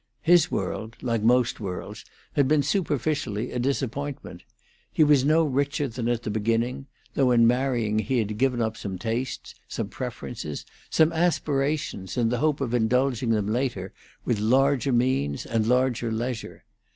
His world, like most worlds, had been superficially a disappointment. He was no richer than at the beginning, though in marrying he had given up some tastes, some preferences, some aspirations, in the hope of indulging them later, with larger means and larger leisure.